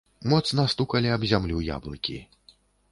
Моцна стукалі аб зямлю яблыкі.